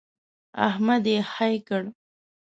احمد يې خې کړ.